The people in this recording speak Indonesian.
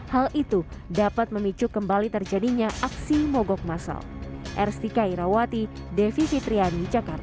hal itu dapat memicu kembali terjadinya aksi mogok masal